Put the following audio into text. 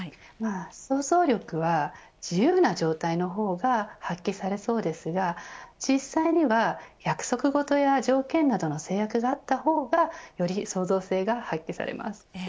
想像力は自由な状態の方が発揮されそうですが実際には約束事や条件などの制約があったほうがより創造性が発揮されます。